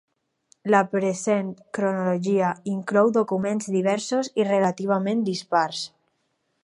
La present cronologia inclou documents diversos i relativament dispars.